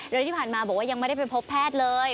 โดยที่ผ่านมาบอกว่ายังไม่ได้ไปพบแพทย์เลย